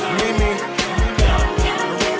มีมิลลี่